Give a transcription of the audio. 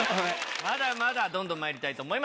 まだまだどんどんまいりたいと思います。